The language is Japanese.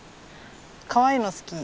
かわいいの好き。